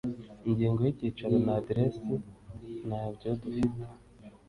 ingingo y icyicaro n aderesi ntabyo dufite